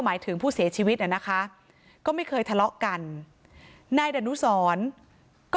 หมายถึงผู้เสียชีวิตน่ะนะคะก็ไม่เคยทะเลาะกันนายดนุสรก็